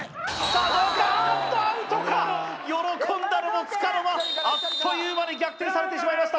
あっとアウトか喜んだのもつかの間あっという間に逆転されてしまいました